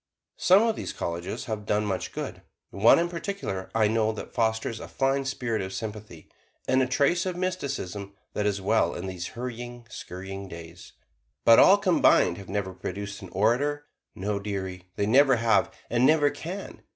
Some of these "Colleges" have done much good; one in particular I know, that fosters a fine spirit of sympathy, and a trace of mysticism that is well in these hurrying, scurrying days. But all combined have never produced an orator; no, dearie, they never have, and never can.